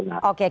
oke kita akan